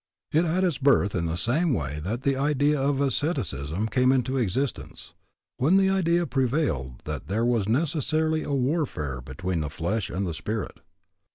It had its birth in the same way that the idea of asceticism came into existence, when the idea prevailed that there was necessarily a warfare between the flesh and the spirit.